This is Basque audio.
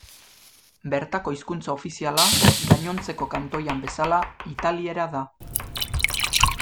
Bertako hizkuntza ofiziala, gainontzeko kantoian bezala, italiera da.